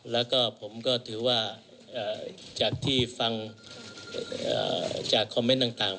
แล้วก็ผมก็ถือว่าจากที่ฟังจากคอมเมนต์ต่าง